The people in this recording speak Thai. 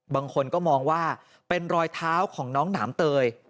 บางคนก็มองว่าเป็นรอยเท้าของน้องหนามเตย